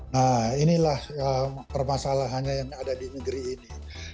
nah inilah permasalahannya yang ada di negeri ini